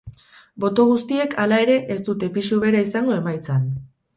Boto guztiek, hala ere, ez dute pisu bera izango emaitzan.